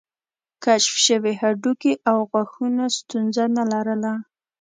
کشف شوي هډوکي او غاښونه ستونزه نه لرله.